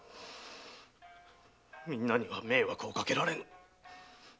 みんなには迷惑をかけられん。